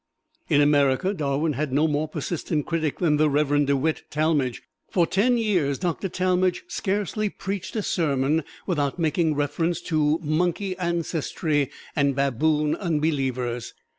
In America Darwin had no more persistent critic than the Reverend DeWitt Talmage. For ten years Doctor Talmage scarcely preached a sermon without making reference to "monkey ancestry" and "baboon unbelievers."